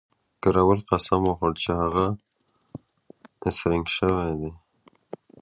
کراول قسم وخوړ چې هغه اس رنګ شوی دی.